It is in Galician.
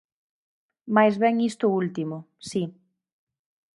Máis ben isto último, si.